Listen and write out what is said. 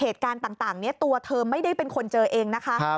เหตุการณ์ต่างนี้ตัวเธอไม่ได้เป็นคนเจอเองนะคะ